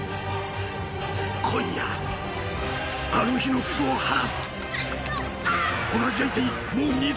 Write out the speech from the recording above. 今夜、あの日の屈辱を晴らす。